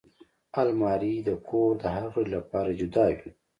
الماري د کور د هر غړي لپاره جدا وي